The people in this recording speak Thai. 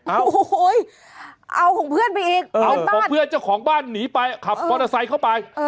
โอ้โหเอาของเพื่อนไปอีกเอาของเพื่อนเจ้าของบ้านหนีไปขับมอเตอร์ไซค์เข้าไป